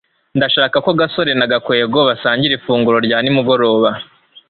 ndashaka ko gasore na gakwego basangira ifunguro rya nimugoroba